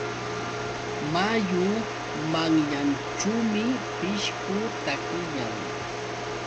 Mayu manyanćhuumi pishqu takiyan.